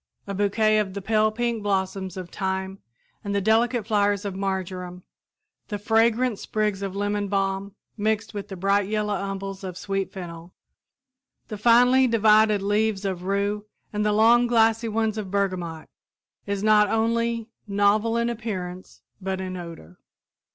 A bouquet of the pale pink blossoms of thyme and the delicate flowers of marjoram, the fragrant sprigs of lemon balm mixed with the bright yellow umbels of sweet fennel, the finely divided leaves of rue and the long glassy ones of bergamot, is not only novel in appearance but in odor.